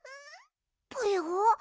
ぽよ？